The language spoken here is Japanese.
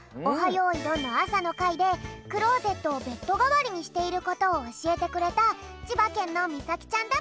よいどん」のあさのかいでクローゼットをベッドがわりにしていることをおしえてくれたちばけんのみさきちゃんだぴょん。